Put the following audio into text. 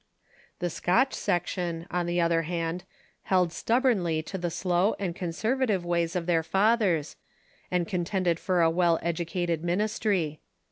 The Scotch section, on the other hand, held stubbornly to the slow and conservative ways of their fathers, and contended for a well educated min istry.